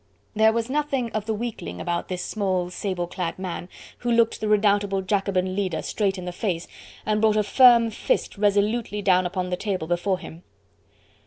There was nothing of the weakling about this small, sable clad man, who looked the redoubtable Jacobin leader straight in the face and brought a firm fist resolutely down upon the table before him.